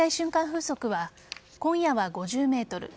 風速は今夜は５０メートル